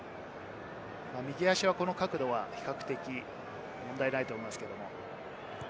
右足はこの角度は比較的問題ないと思いますけれども。